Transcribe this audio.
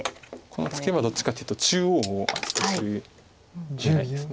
このツケはどっちかっていうと中央を厚くする狙いです。